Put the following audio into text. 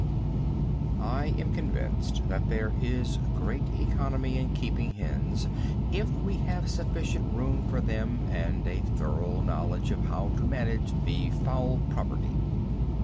I am convinced that there is great economy in keeping hens if we have sufficient room for them and a thorough knowledge of how to manage the fowl property.